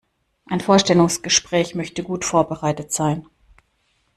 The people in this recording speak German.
Ein Vorstellungsgespräch möchte gut vorbereitet sein.